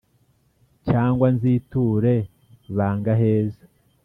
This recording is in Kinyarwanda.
Cyangwa nziture Bangaheza